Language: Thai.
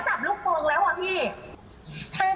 เค้าจับลูกปวงแล้วอ่ะพี่